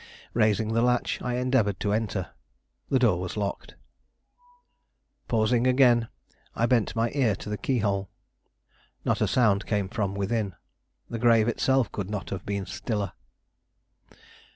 Raising the latch, I endeavored to enter. The door was locked. Pausing again, I bent my ear to the keyhole. Not a sound came from within; the grave itself could not have been stiller.